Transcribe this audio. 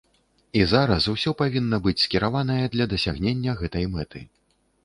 І зараз усё павінна быць скіраванае для дасягнення гэтай мэты.